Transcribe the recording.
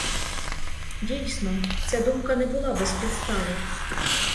Дійсно, ця думка не була без підстави.